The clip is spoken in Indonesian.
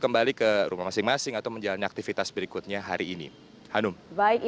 terima kasih pak